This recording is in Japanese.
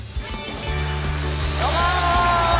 どうも！